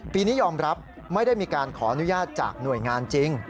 ปีนี้ยอมรับไม่ได้มีการขออนุญาตจากหน่วยงานจริง